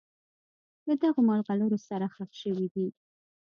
له دغو مرغلرو سره ښخ شوي دي.